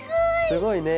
すごいね。